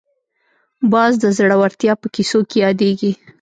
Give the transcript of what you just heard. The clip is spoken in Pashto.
باز د زړورتیا په کیسو کې یادېږي